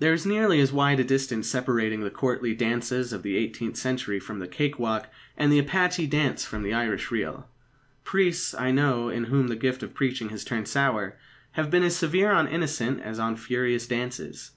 There is nearly as wide a distance separating the courtly dances of the eighteenth century from the cake walk, and the apache dance from the Irish reel. Priests, I know, in whom the gift of preaching has turned sour, have been as severe on innocent as on furious dances.